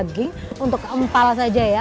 seratus kg daging untuk empal saja ya